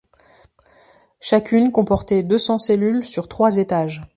Chacune comportait deux cents cellules sur trois étages.